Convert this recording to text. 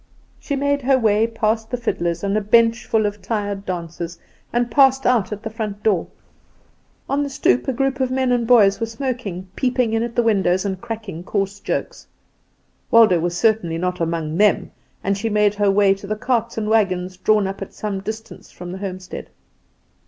She made her way past the fiddlers, and a bench full of tired dancers, and passed out at the front door. On the stoep a group of men and boys were smoking, peeping in at the windows, and cracking coarse jokes. Waldo was certainly not among them, and she made her way to the carts and wagons drawn up at some distance from the homestead.